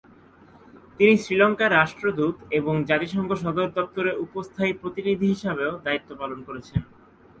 তিনি শ্রীলঙ্কার রাষ্ট্রদূত এবং জাতিসংঘ সদর দপ্তরে উপ-স্থায়ী প্রতিনিধি হিসাবেও দায়িত্ব পালন করেছেন।